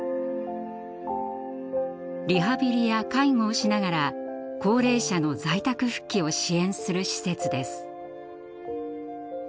リハビリや介護をしながら高齢者の在宅復帰を支援する施設です。